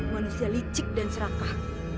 manusia licik dan serakah